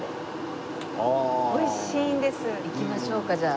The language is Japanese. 行きましょうかじゃあ。